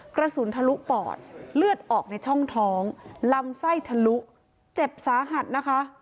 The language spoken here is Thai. กระสุนทะลุปอดเลือดออกในช่องท้องลำไส้ทะลุเจ็บสาหัสนะคะ